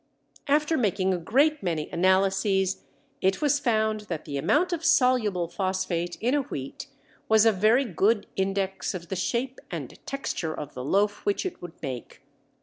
After making a great many analyses it was found that the amount of soluble phosphate in a wheat was a very good index of the shape and texture of the loaf which it would make.